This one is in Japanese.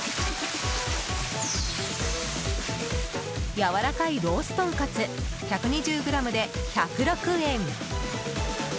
やわらかいロースとんかつ１２０ｇで１０６円！